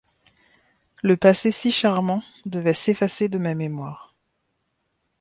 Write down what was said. Le passé si charmant devait s'effacer de ma mémoire.